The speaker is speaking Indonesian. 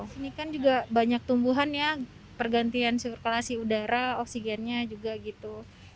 sini kan juga banyak tumbuhan ya pergantian sirkulasi udara oksigennya juga gitu